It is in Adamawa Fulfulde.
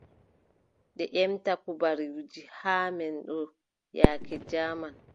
Ɓe ƴemta kubaruuji haa men ɗo yaake jaaman.